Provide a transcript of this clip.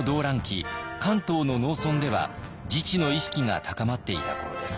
関東の農村では自治の意識が高まっていた頃です。